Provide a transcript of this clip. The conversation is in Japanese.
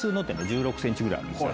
１６センチぐらいあるんですよ。